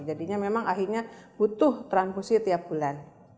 jadinya memang akhirnya butuh transfusi tiap bulan